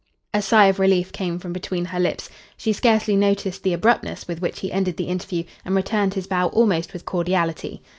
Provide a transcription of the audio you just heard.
A sigh of relief came from between her lips. She scarcely noticed the abruptness with which he ended the interview, and returned his bow almost with cordiality.